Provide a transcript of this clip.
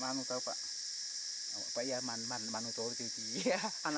mengajakdoo hai semua ibu dan apa saja untuk anda